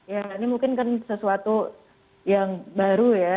ya ini mungkin kan sesuatu yang baru ya